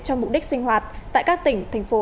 cho mục đích sinh hoạt tại các tỉnh thành phố